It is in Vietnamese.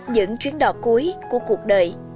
những chuyến đò cuối của cuộc đời